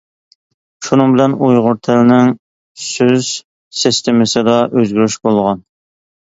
شۇنىڭ بىلەن ئۇيغۇر تىلىنىڭ سۆز سىستېمىسىدا ئۆزگىرىش بولغان.